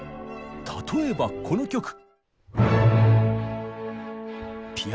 例えばこの曲。